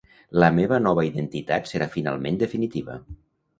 La meva nova identitat serà finalment definitiva.